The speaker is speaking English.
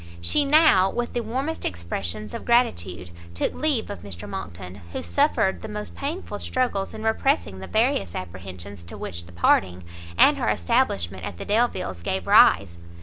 She now, with the warmest expressions of gratitude, took leave of Mr Monckton, who suffered the most painful struggles in repressing the various apprehensions to which the parting, and her establishment at the Delviles gave rise.